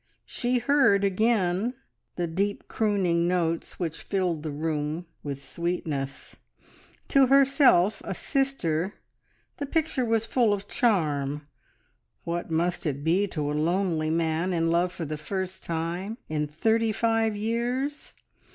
She heard again, the deep crooning notes which filled the room with sweetness. To herself, a sister, the picture was full of charm what must it be to a lonely man, in love for the first time in thirty five years?